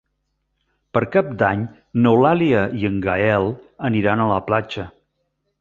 Per Cap d'Any n'Eulàlia i en Gaël aniran a la platja.